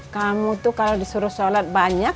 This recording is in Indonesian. kamu tuh kalau disuruh sholat banyak